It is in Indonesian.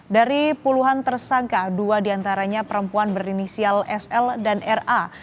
dari puluhan tersangka dua diantaranya perempuan berinisial sl dan ra